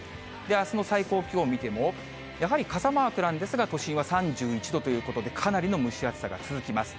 あすの最高気温見ても、やはり傘マークなんですが、都心は３１度ということで、かなりの蒸し暑さが続きます。